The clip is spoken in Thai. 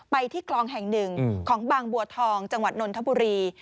ที่คลองแห่งหนึ่งของบางบัวทองจังหวัดนนทบุรี